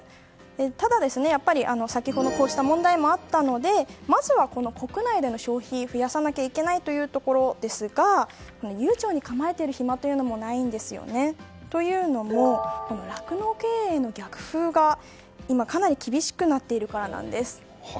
ただ、こうした問題もあったのでまずは国内での消費を増やさなきゃいけないということですが流暢に構えている暇というのもないんですよね。というのも、酪農経営に逆風が今かなり厳しくなっているからなんです。